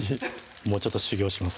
もうちょっと修業します